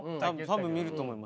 多分見ると思います。